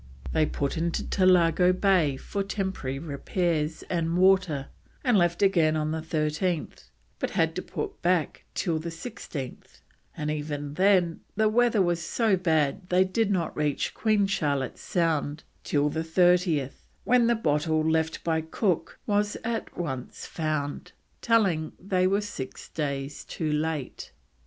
They put into Tolago Bay for temporary repairs and water, and left again on the 13th, but had to put back till the 16th, and even then the weather was so bad that they did not reach Queen Charlotte's Sound till the 30th, when the bottle left by Cook was at once found, telling they were six days too late.